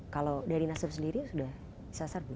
kalau dari nasib sendiri sudah disasar belum